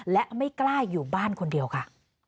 และไม่กล้าอยู่บ้านคนเดียวค่ะ